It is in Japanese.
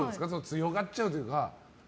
強がっちゃうというか。